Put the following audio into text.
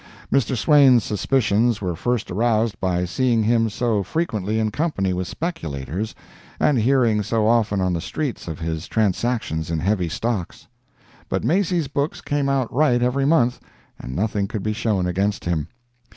Mr. Swain's suspicions were first aroused by seeing him so frequently in company with speculators and hearing so often on the street of his transactions in heavy stocks. But Macy's books came out right every month and nothing could be shown against him.